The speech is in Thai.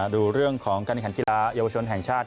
ดูเรื่องของการแข่งกีฬาเยาวชนแห่งชาติ